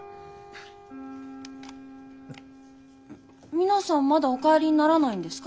皆さんまだお帰りにならないんですか？